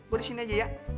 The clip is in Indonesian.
gue disini aja ya